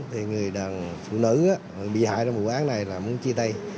thì người đàn phụ nữ bị hại trong vụ án này là muốn chia tay